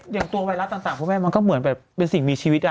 อย่างตัวไวรัสต่างพวกแม่มันก็เหมือนแบบเป็นสิ่งมีชีวิต